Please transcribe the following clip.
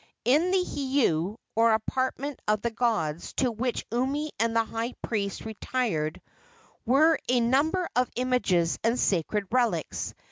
In the heiau, or apartment of the gods, to which Umi and the high priest retired, were a number of images and sacred relics.